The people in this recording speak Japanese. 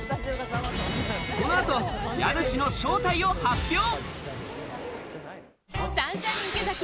この後、家主の正体を発表。